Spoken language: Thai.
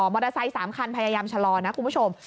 อเตอร์ไซค์๓คันพยายามชะลอนะคุณผู้ชม